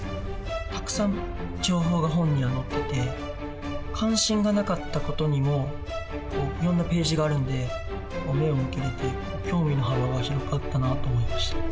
たくさん情報が本には載ってて関心がなかった事にもいろんなページがあるんで目を向けれて興味の幅が広がったなと思いました。